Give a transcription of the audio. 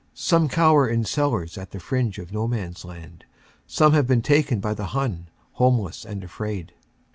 Some cower in cellars at the fringe of No Man s Land. Some have been taken by the Hun, homeless and afraid.